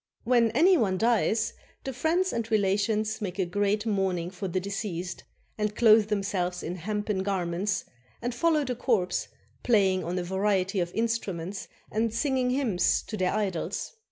... When any one dies, the friends and relations make a great mourning for the deceased, and clothe themselves in hempen garments, and follow the corpse, playing on a variety of instruments and singing hymns to their idols.